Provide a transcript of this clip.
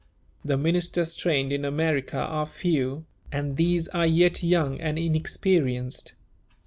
The ministers trained in America are few, and these are yet young and inexperienced.